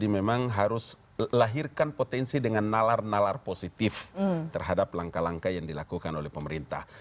memang harus lahirkan potensi dengan nalar nalar positif terhadap langkah langkah yang dilakukan oleh pemerintah